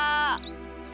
って